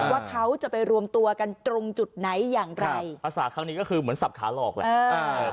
ว่าเขาจะไปรวมตัวกันตรงจุดไหนอย่างไรภาษาครั้งนี้ก็คือเหมือนสับขาหลอกแหละ